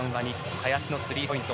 高田のスリーポイント。